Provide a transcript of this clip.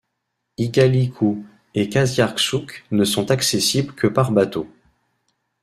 Igaliku et Qassiarsuk ne sont accessibles que par bateau.